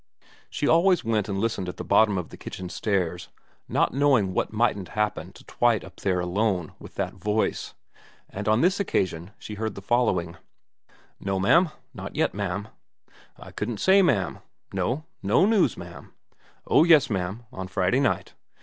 She always went and listened at the bottom of the kitchen stairs, not knowing what mightn't happen to Twite up there alone with that voice, and on this occasion she heard the following :* No, ma'am, not yet, ma'am.' ' I couldn't say, ma'am.' ' No, no news, ma'am.' ' Oh yes, ma'am, on Friday night.'